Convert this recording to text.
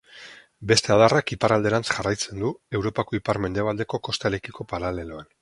Beste adarrak iparralderantz jarraitzen du Europako ipar-mendebaldeko kostarekiko paraleloan.